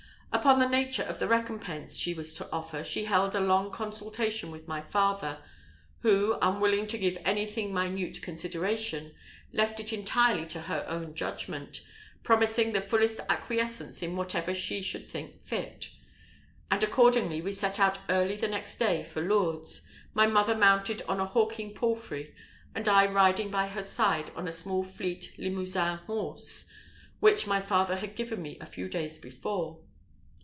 Upon the nature of the recompense she was to offer, she held a long consultation with my father, who, unwilling to give anything minute consideration, left it entirely to her own judgment, promising the fullest acquiescence in whatever she should think fit; and accordingly we set out early the next day for Lourdes, my mother mounted on a hawking palfrey, and I riding by her side on a small fleet Limousin horse, which my father had given me a few days before.